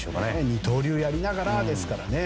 二刀流をやりながらですからね。